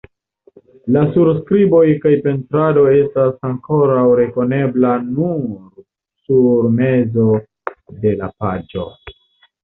La surskriboj kaj pentrado estas ankoraŭ rekonebla nur sur mezo de la paĝoj.